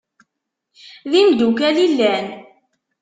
D imdukal i llan?